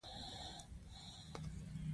اشواګوشا یو لوی شاعر او فیلسوف و